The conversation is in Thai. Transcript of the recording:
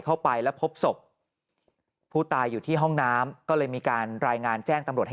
เข้าไปแล้วพบศพผู้ตายอยู่ที่ห้องน้ำก็เลยมีการรายงานแจ้งตำรวจให้